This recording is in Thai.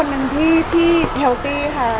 จริงนะ